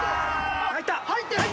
入ってる！